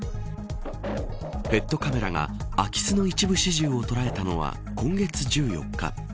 ペットカメラが空き巣の一部始終を捉えたのは今月１４日。